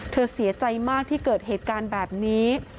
เสียใจมากที่เกิดเหตุการณ์แบบนี้